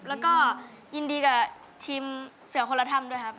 แล้วก็ยินดีกับทีมเสือคนละถ้ำด้วยครับ